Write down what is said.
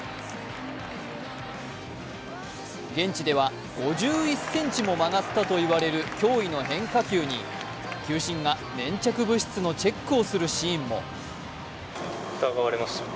現地では５１ｃｍも曲がったといわれる驚異の変化球に球審が粘着物質のチェックをするシーンも。